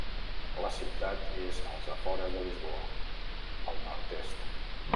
La ciutat és als afores de Lisboa, al nord-est.